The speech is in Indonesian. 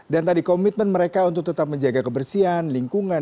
dan tadi komitmen mereka untuk tetap menjaga kebersihan lingkungan